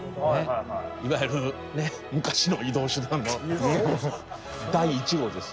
いわゆる昔の移動手段の第１号です。